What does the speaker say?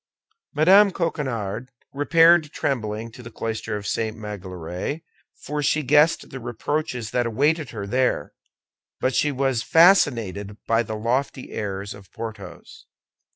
Mme. Coquenard repaired trembling to the cloister of St. Magloire, for she guessed the reproaches that awaited her there; but she was fascinated by the lofty airs of Porthos.